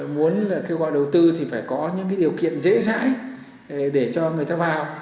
muốn kêu gọi đầu tư thì phải có những điều kiện dễ dãi để cho người ta vào